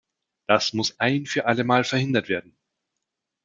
Das muss ein für allemal verhindert werden.